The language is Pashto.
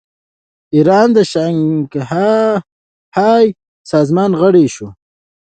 ایران د شانګهای سازمان غړی شو.